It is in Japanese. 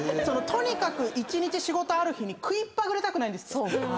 とにかく一日仕事ある日に食いっぱぐれたくないんですって。